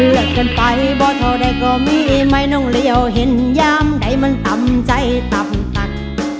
เลือกเกินไปบอกเธอได้ก็มีไม่น้องเหลี่ยวเห็นย้ามได้มันต่ำใจต่ำตัก